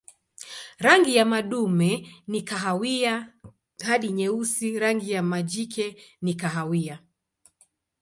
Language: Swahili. Rangi ya madume ni kahawia hadi nyeusi, rangi ya majike ni kahawia.